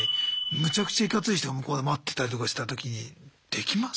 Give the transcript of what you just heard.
めちゃくちゃいかつい人が向こうで待ってたりとかしたときにできます？